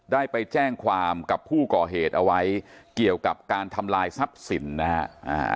ได้ไปแจ้งความกับผู้ก่อเหตุเอาไว้เกี่ยวกับการทำลายทรัพย์สินนะฮะ